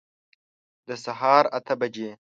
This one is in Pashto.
د سهار اته بجي